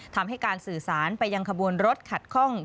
ทำให้การสื่อสารไปยังขบวนรถขัดข้อง